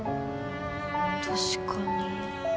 確かに。